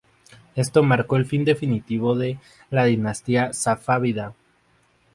Esto marcó el fin definitivo de la dinastía safávida.